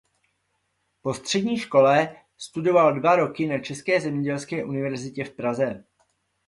Po střední škole studoval dva roky na České zemědělské univerzitě v Praze.